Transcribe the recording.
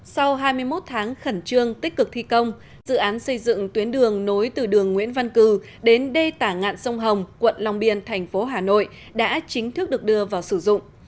sau hai mươi một tháng khẩn trương tích cực thi công dự án xây dựng tuyến đường nối từ đường nguyễn văn cử đến đê tả ngạn sông hồng quận long biên thành phố hà nội đã chính thức được đưa vào sử dụng